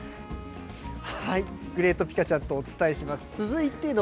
グレート・ピカちゃんとお伝えします。